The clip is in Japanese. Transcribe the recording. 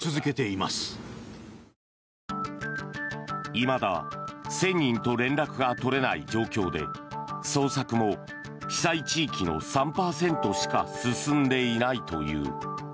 いまだ、１０００人と連絡が取れない状況で捜索も被災地域の３％しか進んでいないという。